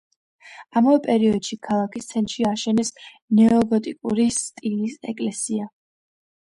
ამავე პერიოდში ქალაქის ცენტრში ააშენეს ნეოგოტიკური სტილის ეკლესია.